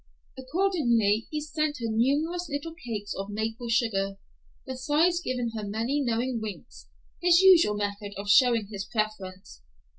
Accordingly, he sent her numerous little cakes of maple sugar, besides giving her many knowing winks, his usual method of showing his preference.